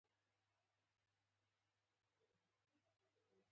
ژورې نا انډولۍ دوام پیدا کړ.